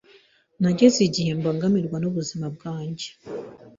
Nageze igihe mbangamirwa n’ubuzima bwanjye